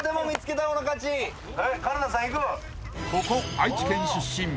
［ここ愛知県出身］